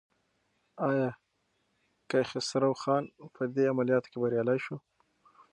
ایا کیخسرو خان په دې عملیاتو کې بریالی شو؟